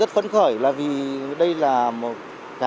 họ rất phấn khởi là vì đây là cả một quá trình đấu tranh giành độc lập